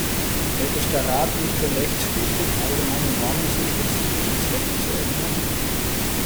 Hält es der Rat nicht für rechtswidrig, allgemeine Normen zu spezifischen Zwecken zu ändern?